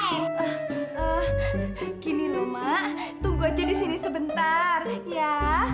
eh eh gini loh mak tunggu aja disini sebentar ya